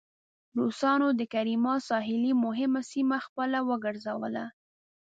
روسانو د کریمیا ساحلي مهمه سیمه خپله وګرځوله.